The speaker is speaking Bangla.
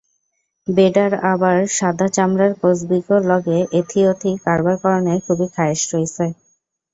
বেডার আবার সাদা চামড়ার কসবিগো লগে এথি-ওথি কারবার করণের খুবই খায়েশ রইছে।